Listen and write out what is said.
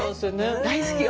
大好きよ